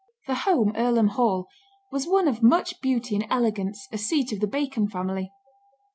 The home, Earlham Hall, was one of much beauty and elegance, a seat of the Bacon family.